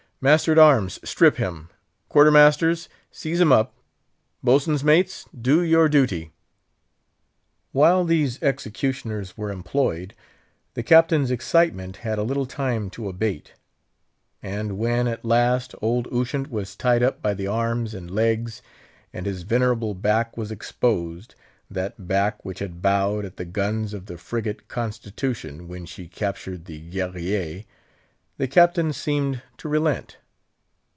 "Master at arms, strip him! quarter masters, seize him up! boatswain's mates, do your duty!" While these executioners were employed, the Captain's excitement had a little time to abate; and when, at last, old Ushant was tied up by the arms and legs and his venerable back was exposed—that back which had bowed at the guns of the frigate Constitution when she captured the Guerriere—the Captain seemed to relent.